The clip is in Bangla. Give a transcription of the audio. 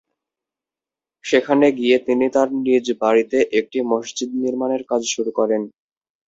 সেখানে গিয়ে তিনি তাঁর নিজ বাড়িতে একটি মসজিদ নির্মাণের কাজ শুরু করেন।